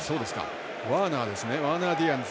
ワーナー・ディアンズ。